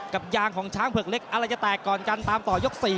กับยางของช้างเผือกเล็กอะไรจะแตกก่อนกันตามต่อยก๔